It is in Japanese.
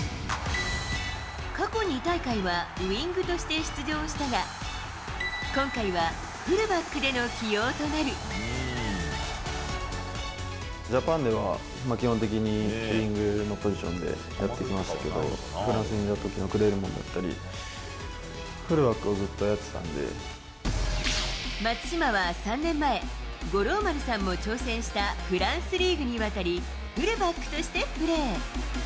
過去２大会はウイングとして出場したが、ジャパンでは、基本的にウイングのポジションでやってきましたけど、フランスにいたときのクレルモンだったり、フルバックをずっとや松島は３年前、五郎丸さんも挑戦したフランスリーグに渡り、フルバックとしてプレー。